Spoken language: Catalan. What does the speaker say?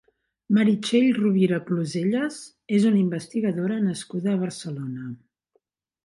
Meritxell Rovira Clusellas és una investigadora nascuda a Barcelona.